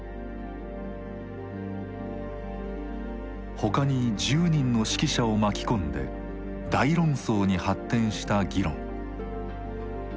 他に１０人の識者を巻き込んで大論争に発展した議論。